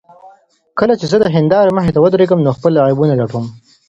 کله چې زه د هندارې مخې ته درېږم نو خپل عیبونه لټوم.